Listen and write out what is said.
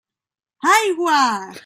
Aigua!